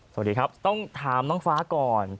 สวัสดีครับต้องถามน้องฟ้าก่อน